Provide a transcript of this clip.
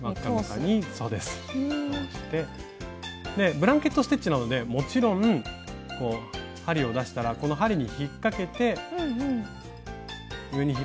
ブランケット・ステッチなのでもちろん針を出したらこの針に引っかけて上に引っ張っても同じことです。